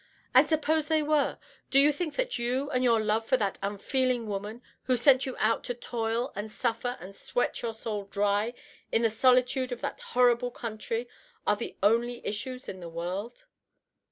And suppose they were! Do you think that you and your love for that unfeeling woman, who sent you out to toil and suffer and sweat your soul dry in the solitude of that horrible country, are the only issues in the world?"